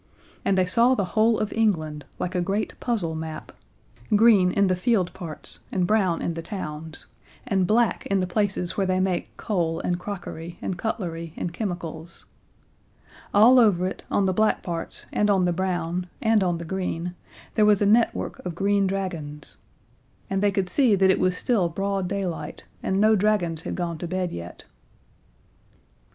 And they saw the whole of England, like a great puzzle map green in the field parts and brown in the towns, and black in the places where they make coal and crockery and cutlery and chemicals. All over it, on the black parts, and on the brown, and on the green, there was a network of green dragons. And they could see that it was still broad daylight, and no dragons had gone to bed yet.